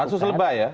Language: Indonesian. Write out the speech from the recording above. pansus lebay ya